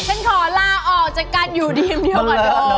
ชั่นขอลาออกชั่นขอลาออกจากการอยู่ดีมเนี่ยก่อน